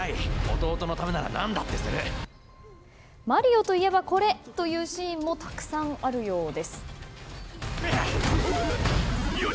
弟のためならマリオといえばこれ！というシーンもたくさんあるようです。